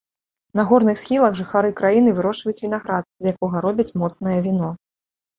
На горных схілах жыхары краіны вырошчваюць вінаград, з якога робяць моцнае віно.